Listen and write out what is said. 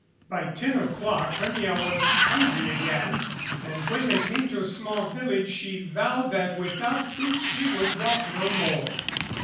By ten o'clock Hermia was hungry again and when they came to a small village she vowed that without food she would walk no more.